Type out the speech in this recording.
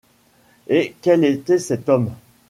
Et quel était cet homme?